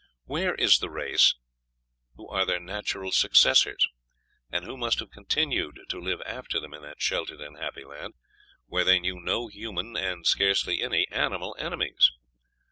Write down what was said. Where is the race who are their natural successors, and who must have continued to live after them in that sheltered and happy land, where they knew no human and scarcely any animal enemies?